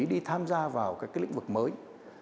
đi tham gia vào các cái lĩnh vực mới